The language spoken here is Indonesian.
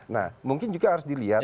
nah mungkin juga harus dilihat